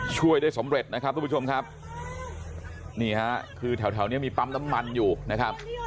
ช่วยได้สำเร็จนะครับทุกผู้ชมครับนี่ฮะคือแถวแถวนี้มีปั๊มน้ำมันอยู่นะครับ